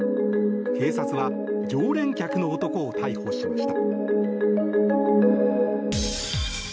警察は常連客の男を逮捕しました。